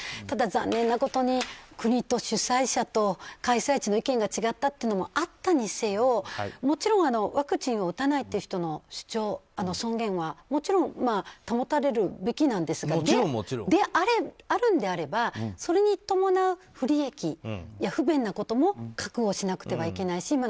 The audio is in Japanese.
ただ、残念なことに国と主催者と開催地の意見が違ったというのもあったにせよもちろん、ワクチンを打たないという人の主張尊厳は、もちろん保たれるべきなんですけどであるのであれば、それに伴う不利益、不便なことも覚悟しなくてはいけないし。